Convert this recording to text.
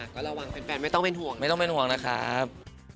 ก็ระวังเป็นแฟนไม่ต้องเป็นห่วงนะครับ